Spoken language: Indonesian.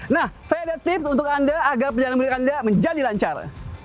nah saya ada tips untuk anda agar perjalanan beli anda menjadi lancar